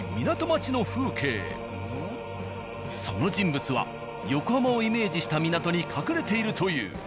その人物は横浜をイメージした港に隠れているという。